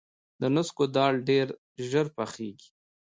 د نسکو دال ډیر ژر پخیږي.